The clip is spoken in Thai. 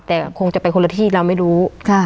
แต่คงจะไปคนละที่เราไม่รู้